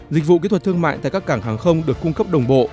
dịch vụ kỹ thuật thương mại tại các cảng hàng không được cung cấp đồng bộ